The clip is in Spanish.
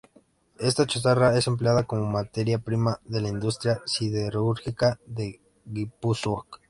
Esta chatarra es empleada como materia prima de la industria siderúrgica de Guipúzcoa.